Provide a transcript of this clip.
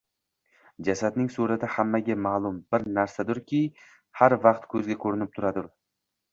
Jasadning surati hammaga ma’lum bir narsadurki, har vaqt ko’zga ko’rinib turadur